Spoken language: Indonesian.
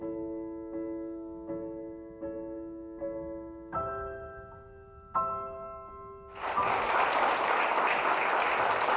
kita belli mungkin investigasi ya ya